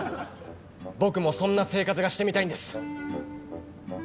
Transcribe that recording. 僕もそんな生活がしてみたいんです！